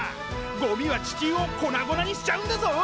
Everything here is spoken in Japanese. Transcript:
ゴミは地球を粉々にしちゃうんだぞ！